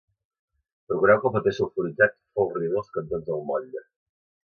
Procureu que el paper sulfuritzat folri bé els cantons del motlle